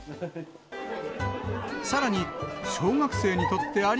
さらに、小学生にとってあり